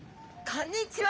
こんにちは！